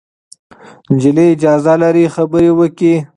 نجلۍ اجازه لري خبرې وکړي.